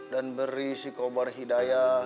dan beri si kobar hidayah